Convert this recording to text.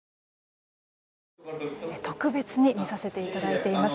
特別に見させていただいています。